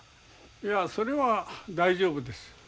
いやそれは大丈夫です。